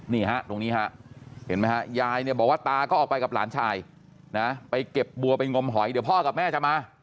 นี่ฮะตรงนี้ฮะเห็นไหมฮะยายเนี่ยบอกว่าตาก็ออกไปกับหลานชายนะไปเก็บบัวไปงมหอยเดี๋ยวพ่อกับแม่จะมา